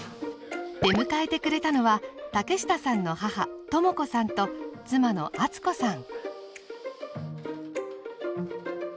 出迎えてくれたのは竹下さんの母始子さんと妻の敦子さん。